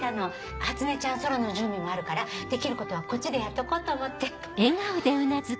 初音ちゃんソロの準備もあるからできることはこっちでやっとこうと思って。